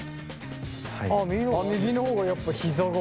あっ右の方がやっぱひざが。